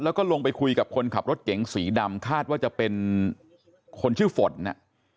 แล้วก็ลงไปคุยกับคนขับรถเก๋งสีดำคาดว่าจะเป็นคนชื่อฝนน่ะ